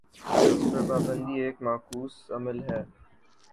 اس پر پابندی ایک معکوس عمل ہے۔